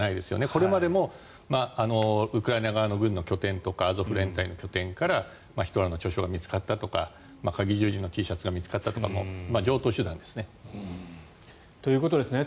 これまでもウクライナ側の軍の拠点とかアゾフ連隊の拠点からヒトラーの著書が見つかったとかかぎ十字のＴシャツが見つかったとか常とう手段ですね。ということですね。